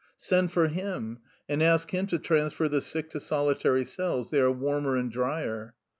Send for him, and ask him to transfer the sick to solitary cells: they are warmer and drier."